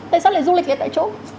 tại sao lại du lịch lại tại chỗ